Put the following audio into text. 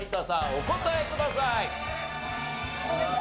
お答えください。